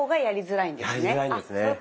やりづらいんですね。